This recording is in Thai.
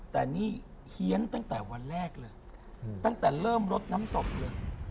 แต่นี่เฮียนตั้งแต่วันแรกเลยตั้งแต่เริ่มลดน้ำศพเลย